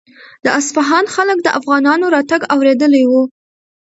د اصفهان خلک د افغانانو راتګ اورېدلی و.